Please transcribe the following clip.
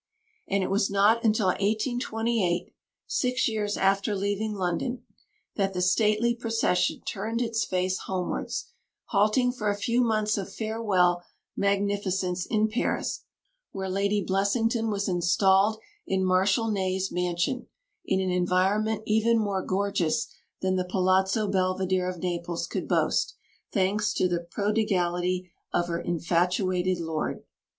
And it was not until 1828, six years after leaving London, that the stately procession turned its face homewards, halting for a few months of farewell magnificence in Paris, where Lady Blessington was installed in Marshal Ney's mansion, in an environment even more gorgeous than the Palazzo Belvidere of Naples could boast, thanks to the prodigality of her infatuated lord.